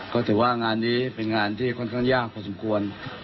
ก็ถือว่างานนี้เป็นงานที่ค่อนข้างยากพอสมควร